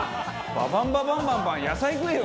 「ババンババンバンバン野菜食えよ！」。